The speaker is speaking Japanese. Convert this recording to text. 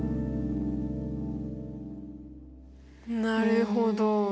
なるほど。